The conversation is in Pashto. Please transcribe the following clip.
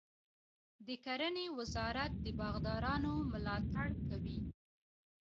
د کرنې وزارت د باغدارانو ملاتړ کوي.